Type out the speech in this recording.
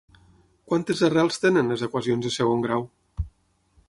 Quantes arrels tenen les equacions de segon grau?